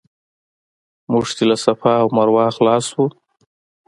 موږ چې له صفا او مروه خلاص شو.